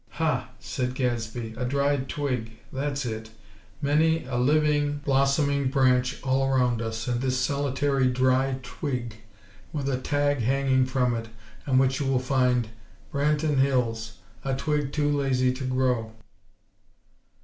"Ha!" said Gadsby; "A dry twig! That's it! Many a living, blossoming branch all around us, and this solitary dry twig, with a tag hanging from it, on which you will find: 'Branton Hills; A twig too lazy to grow!'"